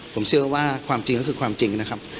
ผมเชื่อว่าความจริงก็คือความจริงนะครับ